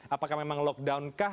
apakah memang lockdown kah